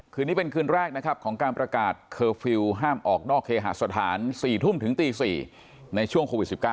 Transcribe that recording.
คืนนี้เป็นคืนแรกนะครับของการประกาศเคอร์ฟิลล์ห้ามออกนอกเคหาสถาน๔ทุ่มถึงตี๔ในช่วงโควิด๑๙